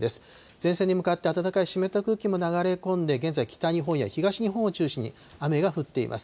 前線に向かって、暖かい湿った空気も流れ込んで、現在、北日本や東日本を中心に雨が降っています。